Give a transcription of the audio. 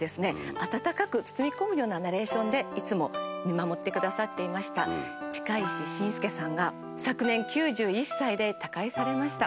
温かく包み込むようなナレーションでいつも見守ってくださっていました近石真介さんが昨年９１歳で他界されました。